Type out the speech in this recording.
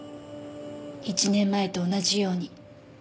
１年前と同じように。